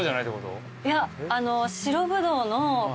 いや。